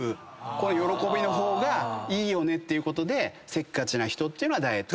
この喜びの方がいいよねていうことでせっかちな人ってダイエットに失敗しやすい。